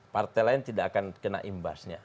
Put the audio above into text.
partai lain tidak akan kena imbasnya